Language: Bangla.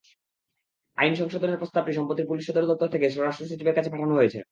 আইন সংশোধনের প্রস্তাবটি সম্প্রতি পুলিশ সদর দপ্তর থেকে স্বরাষ্ট্রসচিবের কাছে পাঠানো হয়েছে।